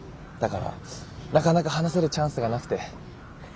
だからなかなか話せるチャンスがなくて。